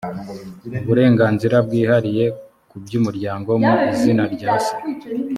uburenganzira bwihariye ku by umuryango mu izina rya se